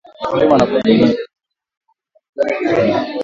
Mkulima anapaswa kuzingatia ushauri wa wataalam na maelekezo ya mtaala